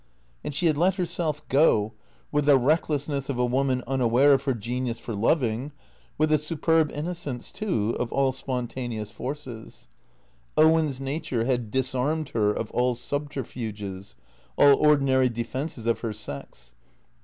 And she had let herself go, with the recklessness of a woman unaware of her genius for loving, with the superb innocence, too, of all spontaneous forces. Owen's nature had disarmed her of all subterfuges, all ordinary defences of her sex.